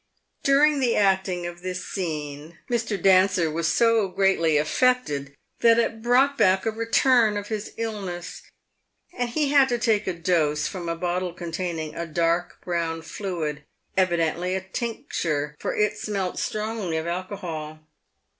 During the acting of this scene, Mr. Dancer was so greatly affected that it brought back a return of his illness, and he had to take a dose from a bottle containing a dark brown fluid — evidently a tincture, for it smelt strongly of alcohol.